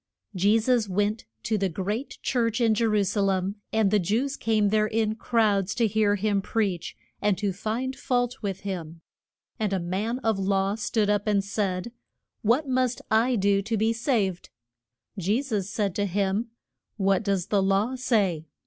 JE SUS went to the great church in Je ru sa lem, and the Jews came there in crowds to hear him preach, and to find fault with him. And a man of law stood up and said, What must I do to be saved? Je sus said to him, What does the law say?